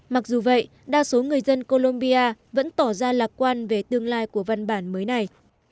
mặc dù vậy đa số người dân colombia vẫn tỏ ra lạc quan về tương lai của văn bản mới này